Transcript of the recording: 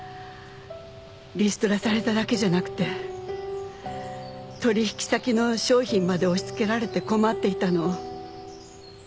リストラされただけじゃなくて取引先の商品まで押し付けられて困っていたの。